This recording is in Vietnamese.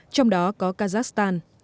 trong đó có kazakhstan